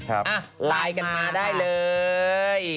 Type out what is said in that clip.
ไลน์กันมาได้เลย